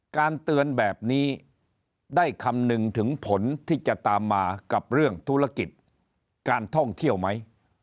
การเตือนแบบนี้ได้คำนึงถึงผลที่จะตามมากับเรื่องธุรกิจการท่องเที่ยวไหม